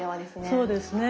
そうですね。